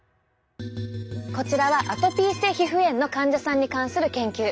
こちらはアトピー性皮膚炎の患者さんに関する研究。